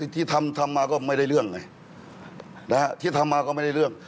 ที่ทำทำมาก็ไม่ได้เรื่อง